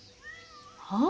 はあ？